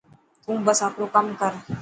تون بس آپرو ڪم ڪر.